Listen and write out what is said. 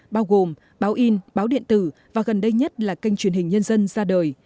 bao gồm báo in báo điện tử và gần đây nhất là kênh truyền hình nhân dân ra đời